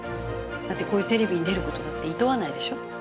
だってこういうテレビに出る事だっていとわないでしょ？